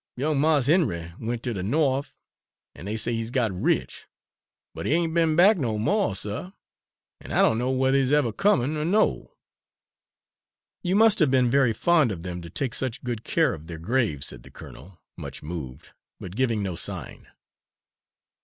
Young Mars Henry went ter de Norf, and dey say he's got rich; but he ain't be'n back no mo', suh, an' I don' know whether he's ever comin' er no." "You must have been very fond of them to take such good care of their graves," said the colonel, much moved, but giving no sign.